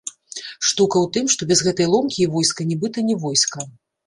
Штука ў тым, што без гэтай ломкі і войска нібыта не войска.